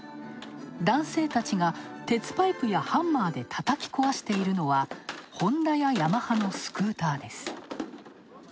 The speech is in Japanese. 男性たちが鉄パイプやハンマーで叩き壊しているのは、ホンダやヤマハのスクーターです。